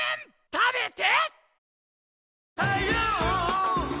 食べて！